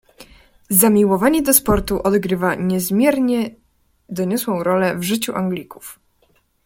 "Zamiłowanie do sportu odgrywa niezmiernie doniosłą rolę w życiu Anglików."